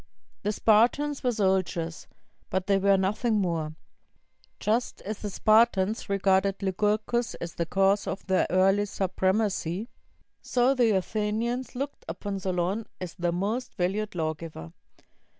The Spartans were soldiers, but they were nothing more. Just as the Spartans regarded Lycurgus as the cause of their early supremacy, so the Athenians looked upon Solon as their most valued lawgiver.